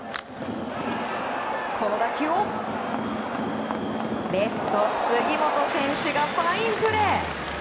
この打球をレフト杉本選手がファインプレー。